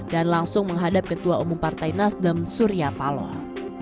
dan langsung menghadap ketua umum partai nasdem surya paloh